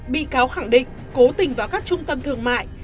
bị cáo khẳng định cố tình vào các trung tâm thương mại